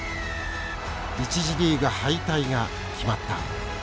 １次リーグ敗退が決まった。